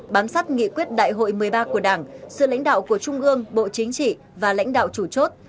bám sát nghị quyết đại hội một mươi ba của đảng sự lãnh đạo của trung ương bộ chính trị và lãnh đạo chủ chốt